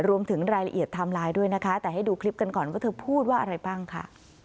รวมถึงรายละเอียดไทม์ไลน์ด้วยนะคะแต่ให้ดูคลิปกันก่อนว่าเธอพูดว่าอะไรบ้างค่ะ